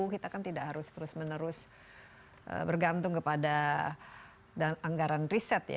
kita kan tidak harus terus menerus bergantung kepada anggaran riset ya